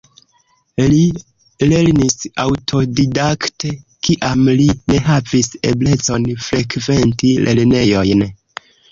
Li lernis aŭtodidakte, kiam li ne havis eblecon frekventi lernejojn.